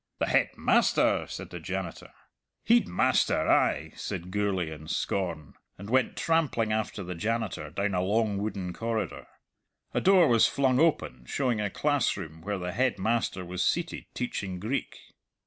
"The Headmaster!" said the janitor. "Heidmaister, ay," said Gourlay in scorn, and went trampling after the janitor down a long wooden corridor. A door was flung open showing a classroom where the Headmaster was seated teaching Greek.